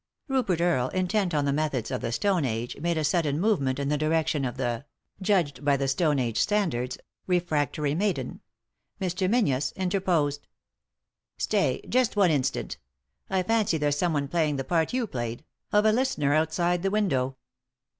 Rupert Earle, intent on the methods of the Stone Age, made a sudden movement in the direction of the— judged by the Stone Age standards — refractory maiden. Mr. Menzies interposed. "Stay — just one instant I I fancy there's someone playing the part you played — of a listener outside the window."